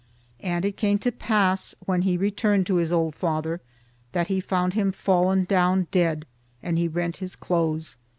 And it came to pass, when he returned to his old father, that he found him fallen down dead and he rent his clothes.